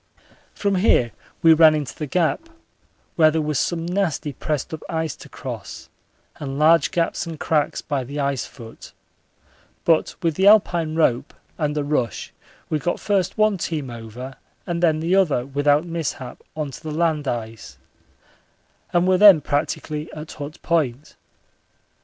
From here we ran into the Gap, where there was some nasty pressed up ice to cross and large gaps and cracks by the ice foot; but with the Alpine rope and a rush we got first one team over and then the other without mishap on to the land ice, and were then practically at Hut Point.